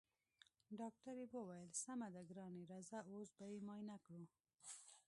ډاکټرې وويل سمه ده ګرانې راځه اوس به يې معاينه کړو.